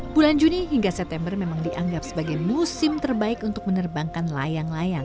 bulan juni hingga september memang dianggap sebagai musim terbaik untuk menerbangkan layang layang